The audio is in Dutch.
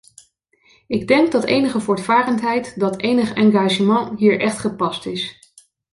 Ik denk dat enige voortvarendheid, dat enig engagement hier echt gepast is.